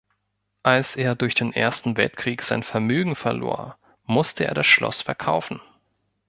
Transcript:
Als er durch den Ersten Weltkrieg sein Vermögen verlor, musste er das Schloss verkaufen.